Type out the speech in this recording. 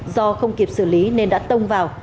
do không kịp xử lý nên đã tông vào